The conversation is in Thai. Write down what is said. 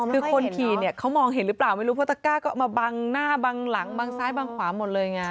คือคนขี่เนี่ยเขามองเห็นหรือเปล่าไม่รู้เพราะตะก้าก็เอามาบังหน้าบางหลังบางซ้ายบางขวาหมดเลยไง